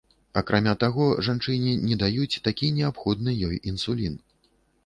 Акрамя таго, жанчыне не даюць такі неабходны ёй інсулін.